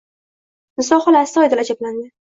Niso xola astoydil ajablandi.